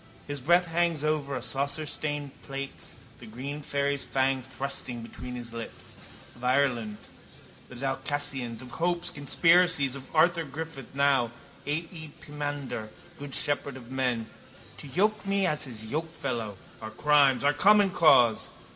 His breath hangs over our saucestained plates, the green fairy's fang thrusting between his lips. Of Ireland, the Dalcassians, of hopes, conspiracies, of Arthur Griffith now, A E, pimander, good shepherd of men. To yoke me as his yokefellow, our crimes our common cause.